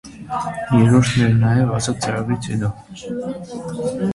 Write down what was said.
Երրորդն էր նաև ազատ ծրագրից հետո։